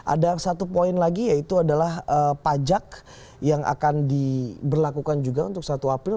ada satu poin lagi yaitu adalah pajak yang akan diberlakukan juga untuk satu april